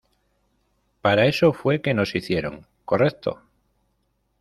¿ Para eso fue que nos hicieron, correcto?